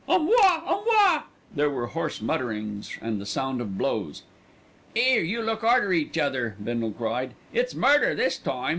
À moi! à moi!" There were hoarse mutterings and the sound of blows. "'Ere, you look arter each other," Bindle cried, "it's murder this time."